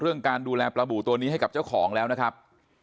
การดูแลปลาบูตัวนี้ให้กับเจ้าของแล้วนะครับ